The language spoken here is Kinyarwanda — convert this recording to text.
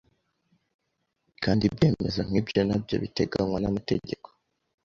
kandi ibyemezo nk’ibyo na byo biteganywa n’amategeko”.